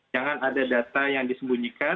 jangan ada data yang disembunyikan